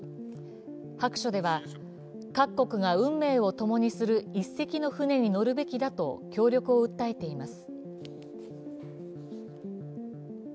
白書では、各国が運命を共にする１隻の船に乗るべきだと協力を訴えています。